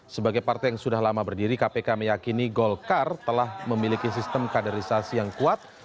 sebagai partai yang sudah lama berdiri kpk meyakini golkar telah memiliki sistem kaderisasi yang kuat